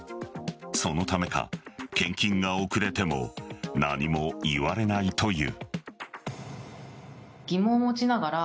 そのためか、献金が遅れても何も言われないという。